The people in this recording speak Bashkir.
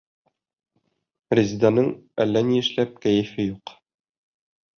Резеданың әллә ни эшләп кәйефе юҡ.